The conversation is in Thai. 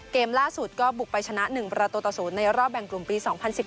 เกมล่าสุดก็บุกไปชนะ๑ประตูต่อ๐ในรอบแบ่งกลุ่มปี๒๐๑๘